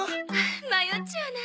迷っちゃうな。